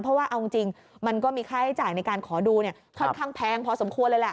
เพราะว่าเอาจริงมันก็มีค่าใช้จ่ายในการขอดูค่อนข้างแพงพอสมควรเลยแหละ